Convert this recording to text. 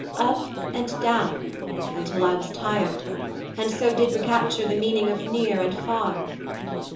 Up and down, until I was tired, and so did recapture the meaning of "Near" and "Far".